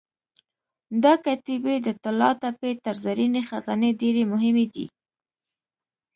دا کتیبې د طلاتپې تر زرینې خزانې ډېرې مهمې دي.